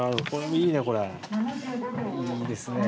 いいですねぇ。